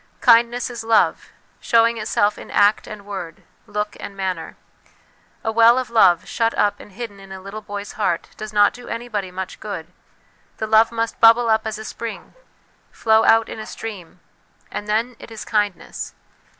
Kindness is love, showing itself in act and word, look and manner. A well of love, shut up and hidden in a little boy's heart, does not do anybody much good; the love must bubble up as a spring, flow out in a stream, and then it is kindness.